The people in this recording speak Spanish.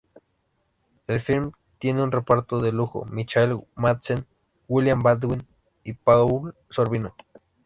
El filme tiene un reparto de lujo: Michael Madsen, William Baldwin y Paul Sorvino.